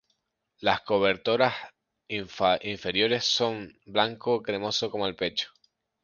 Las cobertoras inferiores son blanco cremoso como el pecho.